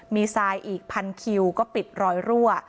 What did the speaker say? มีไซด์อีก๑๐๐๐คิวก็ปิดรอยรั่ว